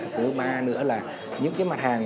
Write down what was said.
thứ ba nữa là những cái mặt hàng